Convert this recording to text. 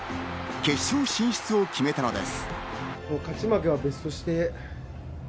決勝進出を決めたのです。